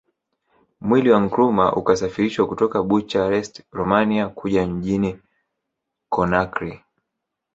Mwili wa Nkrumah ukasafirishwa kutoka Bucharest Romania Kuja mjini Conakry